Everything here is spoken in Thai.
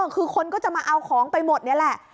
คือคนก็จะมาเอาของไปหมดนี่แหละ